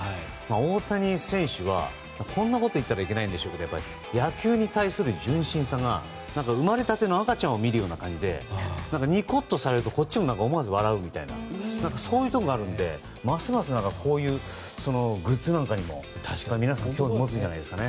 大谷選手はこんなこと言ったらいけないかもですが野球に対する純真さが生まれたての赤ちゃんを見るような感じでにこっとされるとこっちも思わず笑うみたいなそういうところがあるのでますますグッズにも、皆さん興味持つんじゃないですかね。